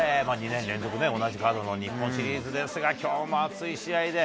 ２年連続同じカードの日本シリーズですが、きょうも熱い試合で。